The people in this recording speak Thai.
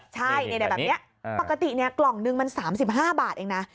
ใช่แบบนี้ปกติกล่องนึงมัน๓๕บาทเองนะ